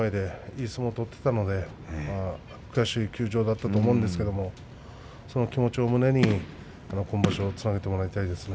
いい相撲を取っていたんで悔しい休場だったと思うんですがその気持ちを胸に今場所つなげてもらいたいですね。